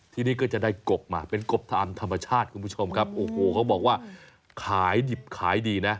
ที่นี่ก็จะได้กบมาเป็นกบทำธรรมชาติคุณผู้ชมครับโอ้โหเขาบอกว่าขายดิบขายดีนะ